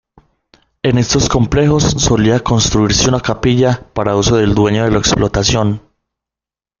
En estos complejos solía construirse una capilla para uso del dueño de la explotación.